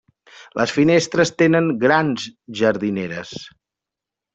Les finestres tenen gran jardineres.